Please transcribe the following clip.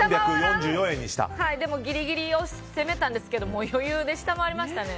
でもギリギリを攻めたんですけど余裕で下回りましたね。